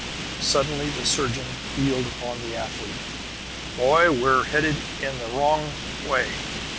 Suddenly the surgeon wheeled upon the athlete. "Boy, we're headed in the wrong way!